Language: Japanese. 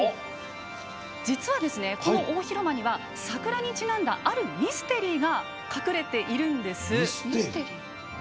実はですね、この大広間には桜にちなんだあるミステリーが隠れているんです。